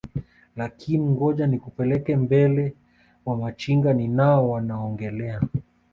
Lakin ngoja nikupeleke mbele Wamachinga ninao waongelea